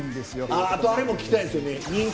あっあとあれも聞きたいんですよね。